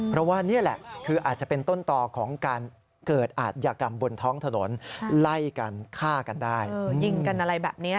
เพราะว่านี่แหละอาจจะเป็นต้นตอของการ